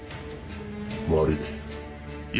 悪い。